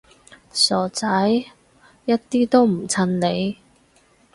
傻仔，一啲都唔襯你